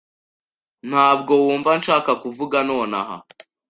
Ntabwo numva nshaka kuvuga nonaha.